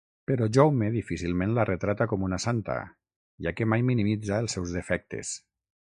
Però Jaume difícilment la retrata com una santa, ja que mai minimitza els seus defectes.